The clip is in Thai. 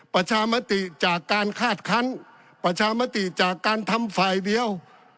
ประชามติจากการคาดคันประชามติจากการทำฝ่ายเดียว